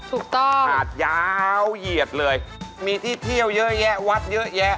ถูกต้องหาดยาวเหยียดเลยมีที่เที่ยวเยอะแยะวัดเยอะแยะ